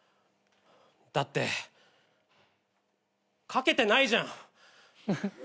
だって賭けてないじゃん。